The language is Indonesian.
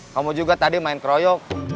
kamu juga tadi main keroyok